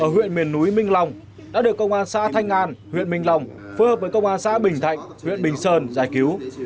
hiện công an xã thanh an huyện bình lòng phối hợp với công an xã bình thạnh huyện bình sơn giải cứu